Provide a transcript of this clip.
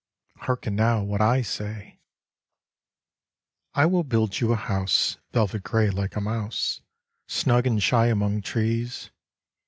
Hearken now what I say ! I will build you a house Velvet gray like a mouse, Snug and shy among trees.